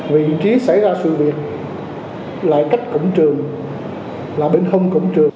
vị trí xảy ra sự việc lại cách cổng trường là bên hông cổng trường